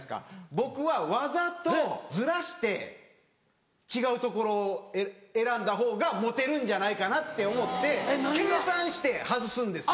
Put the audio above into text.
僕はわざとずらして違う所選んだほうがモテるんじゃないかなって思って計算して外すんですよ。